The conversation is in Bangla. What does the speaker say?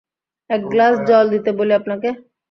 এক গ্লাস জল দিতে বলি আপনাকে?